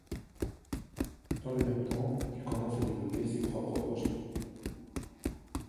Dans le même temps, il commence à développer ses propres projets.